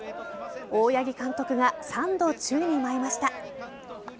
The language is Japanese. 大八木監督が３度宙に舞いました。